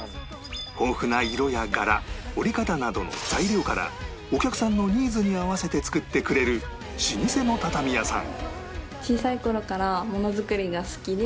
豊富な色や柄織り方などの材料からお客さんのニーズに合わせて作ってくれる老舗の畳屋さん